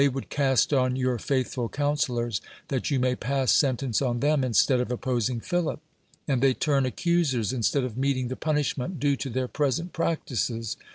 'ould cast on your faithful counselors, that you may pass sentence on them, instead of op posing Philip; and they turn accusers instead of meeting the punishment due to their present practises.